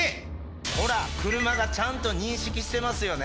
ほら車がちゃんと認識してますよね